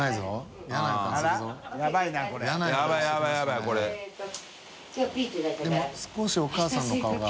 岸谷）でも少しお母さんの顔が。